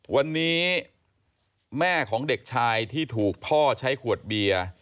วันนี้แม่ของเด็กชายที่ถูกพ่อใช้ขวดเบียร์